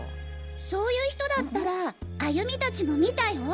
そういう人だったら歩美達も見たよ！